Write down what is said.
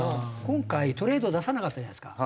今回トレード出さなかったじゃないですか。